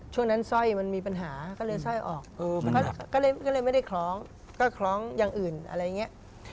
ช่วงนั้นสร้อยมันมีปัญหาก็เลยสร้อยออกก็เลยไม่ได้คล้องก็คล้องอย่างอื่นอะไรอย่างนี้